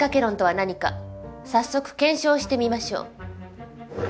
早速検証してみましょう。